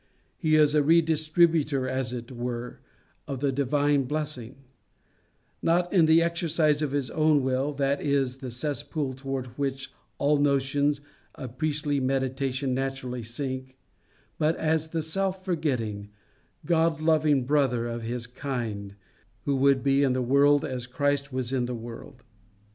He is a redistributor, as it were, of the divine blessing; not in the exercise of his own will that is the cesspool towards which all notions of priestly mediation naturally sink but as the self forgetting, God loving brother of his kind, who would be in the world as Christ was in the world.